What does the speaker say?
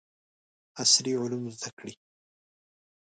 عصري علوم زده کړي.